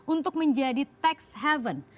untuk menjadi tax haven